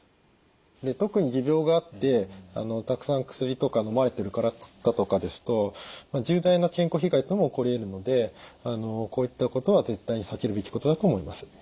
で特に持病があってたくさん薬とかのまれてる方とかですと重大な健康被害も起こりえるのでこういったことは絶対に避けるべきことだと思います。